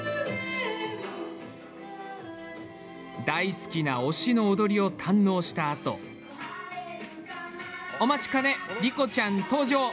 大好きな推しの踊りを堪能したあとお待ちかね、莉心ちゃん登場！